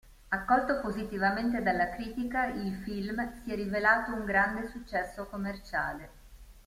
Accolto positivamente dalla critica, il film si è rivelato un grande successo commerciale.